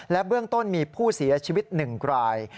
และเบื้องต้นมีผู้เสียชีวิต๑ราย